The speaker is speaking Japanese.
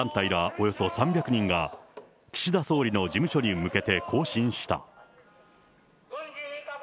およそ３００人が、岸田総理の事務所に向けて行進した。